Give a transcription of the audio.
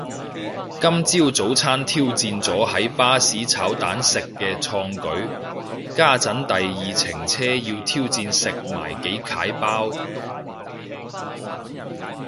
今朝早餐挑戰咗喺巴士炒蛋食嘅創舉，家陣第二程車要挑戰食埋幾楷包